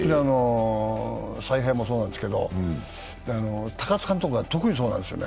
采配もそうなんですけど、高津監督が特にそうなんですよね。